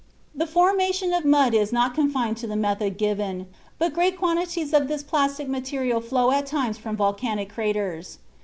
The formation of mud is not confined to the method given, but great quantities of this plastic material flow at times from volcanic craters.